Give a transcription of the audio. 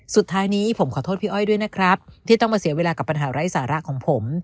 สุดท้ายนี้ผมขอโทษพี่อ้อยด้วยนะครับที่ต้องมาเสียเวลากับปัญหาไร้สาระของผม